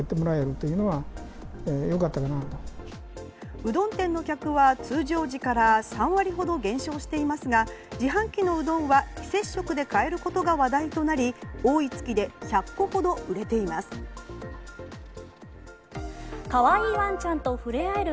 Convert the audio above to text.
うどん店の客は通常時から３割ほど減少していますが自販機のうどんは非接触で買えることが話題となり多い月で１００個ほど売れています。